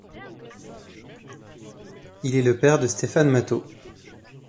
Il est le père de Stefan Matteau.